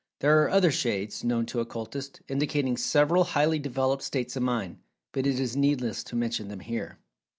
There are other shades, known to Occultists, indicating several highly developed states of Mind, but it is needless to mention them here.